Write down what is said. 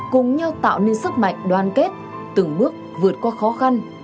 cùng nhau tạo nên sức mạnh đoàn kết từng bước vượt qua khó khăn